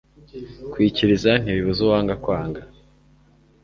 kwikiriza ntibibuza uwanga kwanga